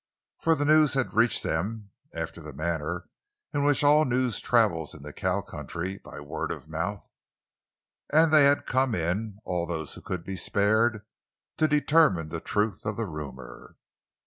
For the news had reached them—after the manner in which all news travels in the cow country—by word of mouth—and they had come in—all those who could be spared—to determine the truth of the rumor.